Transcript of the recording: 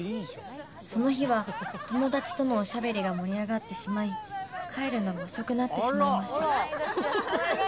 その日は友達とのおしゃべりが盛り上がってしまい帰るのが遅くなってしまいましたあら。